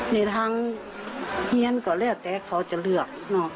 ในทางเฮียนก็แล้วแต่เขาจะเลือก